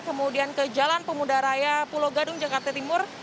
kemudian ke jalan pemuda raya pulau gadung jakarta timur